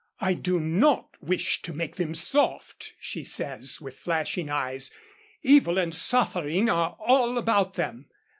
"I do not wish to make them soft," she says with flashing eyes. "Evil and suffering are all about them.